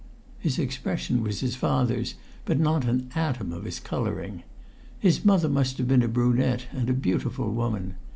His expression was his father's, but not an atom of his colouring. His mother must have been a brunette and a beautiful woman.